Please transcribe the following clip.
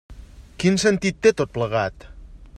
Quin sentit té tot plegat?